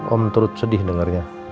om terus sedih dengarnya